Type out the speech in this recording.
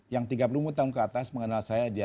yang tiga puluh tahun keatas mengenal saya